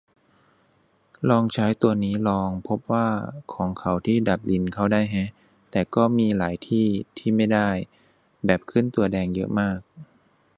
ลองใช้ตัวนี้ลอง พบว่า ของเขาที่ดับลินเข้าได้แฮะ แต่ก็มีหลายที่ที่ไม่ได้ แบบขึ้นตัวแดงเยอะมาก